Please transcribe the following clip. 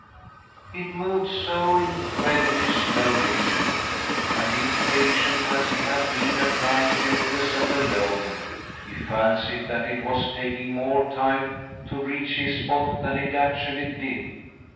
It moved so incredibly slowly, too> and, impatient 1 as he had been at lying helpless and alone, he fancied that it was taking more time to reach his spot than it actually did.